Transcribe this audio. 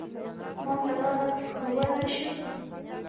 ما ته لاره ښوولای شې؟